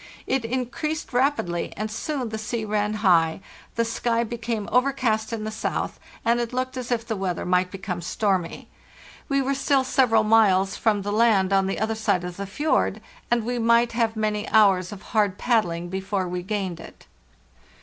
It increased rapidly, and soon the sea ran high, the sky became overcast in the south, and it looked as if the weather might become stormy. We were still several miles from the land on the other side of the fjord, and we might have many hours of hard paddling before we gained it.